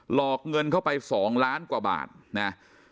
อกเงินเข้าไป๒ล้านกว่าบาทนะ